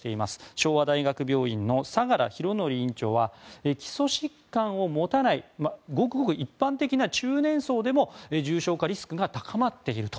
昭和大学病院の相良博典院長は基礎疾患を持たないごくごく一般的な中年層でも重症化リスクが高まっていると。